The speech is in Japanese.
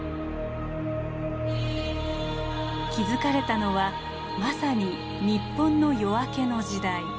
築かれたのはまさに日本の夜明けの時代。